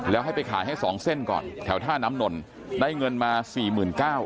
แล้วให้ไปขายให้สองเส้นก่อนแถวท่าน้ำนนได้เงินมาสี่หมื่นเก้า